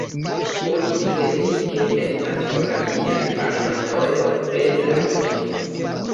Oni sugestis, ke estas geografiaj variantoj en la voĉo.